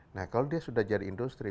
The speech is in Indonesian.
nah kalau dia sudah jadi industri